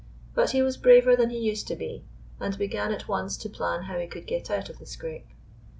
But he was braver than he used to be, and began at once to plan how he could get out of the scrape.